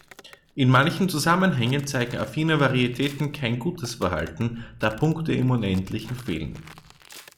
In manchen Zusammenhängen zeigen affine Varietäten kein gutes Verhalten, da „Punkte im Unendlichen“ fehlen.